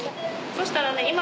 そしたらね